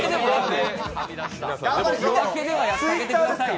夜明け」でやってあげてくださいよ。